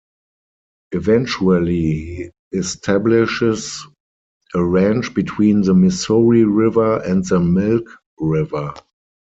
Eventually he establishes a ranch between the Missouri River and the Milk River.